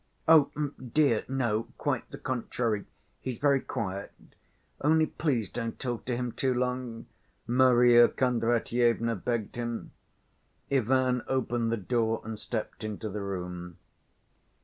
"Oh, dear, no, quite the contrary, he's very quiet. Only please don't talk to him too long," Marya Kondratyevna begged him. Ivan opened the door and stepped into the room.